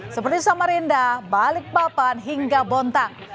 seperti samarinda balikpapan hingga bontang